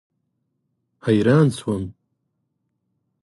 حیران شوم.